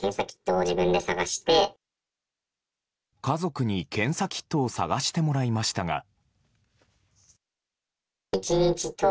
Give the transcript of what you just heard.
家族に検査キットを探してもらいましたが。